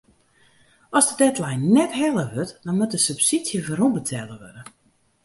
As de deadline net helle wurdt dan moat de subsydzje werombetelle wurde.